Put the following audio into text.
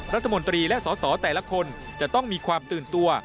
รัฐมนตรีและสอสอแต่ละคนจะต้องมีความตื่นตัว